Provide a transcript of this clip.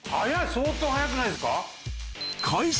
相当早くないですか？